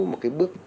một cái bước